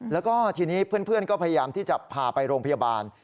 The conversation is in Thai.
แล้วก็ทีนี้เพื่อนก็พยายามที่จะพาไปโรงพยาบาล